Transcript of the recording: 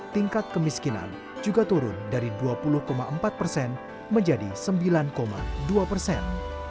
tingkat kemiskinan juga turun dari dua puluh empat persen menjadi sembilan dua persen